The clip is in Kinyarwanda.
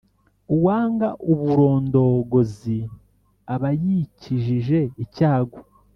uwanga uburondogozi aba yikijije icyago.